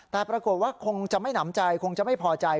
แต่ปรากฏว่าคงจะไม่หนำใจคงจะไม่พอใจ